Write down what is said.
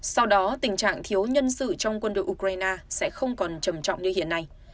sau đó tình trạng thiếu nhân sự trong quân đội ukraine sẽ không còn trầm trọng như hiện nay